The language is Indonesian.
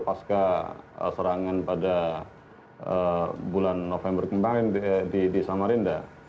pasca serangan pada bulan november kemarin di samarinda